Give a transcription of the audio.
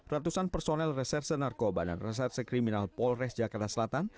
ratusan personel reserse narkoba dan reserse kriminal polres jakarta selatan